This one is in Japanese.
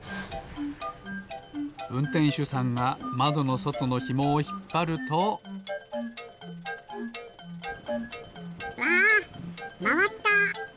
うんてんしゅさんがまどのそとのひもをひっぱると。わまわった！